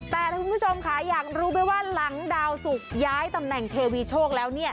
แต่ถ้าคุณผู้ชมค่ะอยากรู้ไหมว่าหลังดาวสุกย้ายตำแหน่งเทวีโชคแล้ว